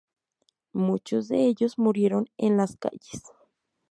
Muchos de ellos murieron en las calles.